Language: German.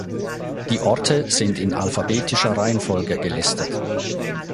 Die Orte sind in alphabetischer Reihenfolge gelistet.